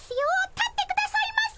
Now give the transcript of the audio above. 立ってくださいませ！